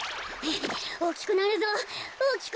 おおきくなるぞおおきく。